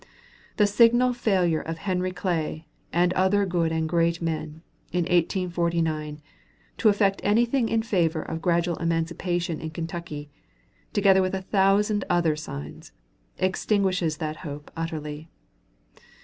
The signal failure of Henry Clay and other good and great men, in 1849, to effect anything in favor of gradual emancipation in Kentucky, together with a thousand other signs, extinguishes that hope utterly.